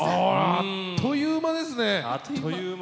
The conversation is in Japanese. あっという間ですよ。